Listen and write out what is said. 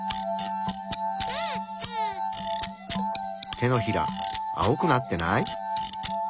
手のひら青くなってない？